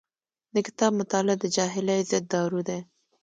د کتاب مطالعه د جاهلۍ ضد دارو دی.